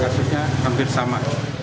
kasusnya hampir sama